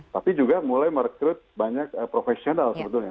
tapi juga mulai merekrut banyak profesional sebetulnya